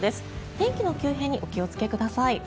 天気の急変にお気をつけください。